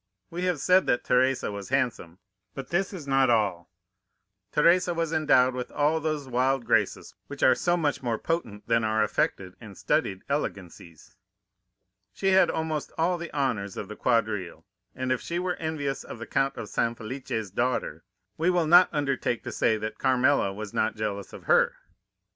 We have said that Teresa was handsome, but this is not all; Teresa was endowed with all those wild graces which are so much more potent than our affected and studied elegancies. She had almost all the honors of the quadrille, and if she were envious of the Count of San Felice's daughter, we will not undertake to say that Carmela was not jealous of her.